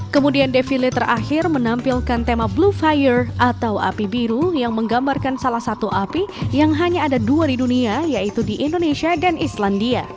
kemudian defile terakhir menampilkan tema blue fire atau api biru yang menggambarkan salah satu api yang hanya ada dua di dunia yaitu di indonesia dan islandia